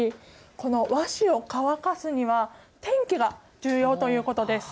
この和紙を乾かすには天気が重要ということです。